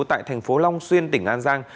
tại thành phố long xuyên tỉnh an giang